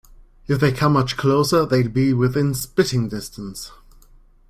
If they come much closer, they'll be within spitting distance.